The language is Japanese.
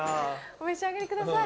お召し上がりください。